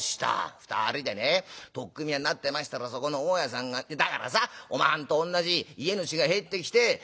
「二人でね取っ組み合いになってましたらそこの大家さんがだからさおまはんと同じ家主が入ってきて『どうした？』